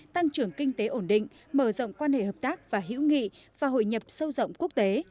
tăng trưởng kinh tế ổn định mở rộng quan hệ hợp tác và hữu nghị và hội nhập sâu rộng quốc tế